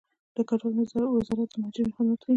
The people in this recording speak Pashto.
د کډوالو وزارت د مهاجرینو خدمت کوي